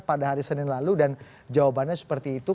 pada hari senin lalu dan jawabannya seperti itu